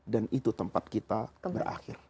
dan itu tempat kita berakhir